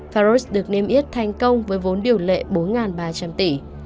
pharos được niêm yết thành công với vốn điều lệ bốn ba trăm linh tỷ